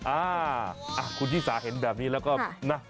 อ่าคุณชิสาเห็นแบบนี้แล้วก็นะ